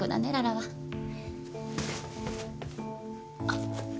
あっ。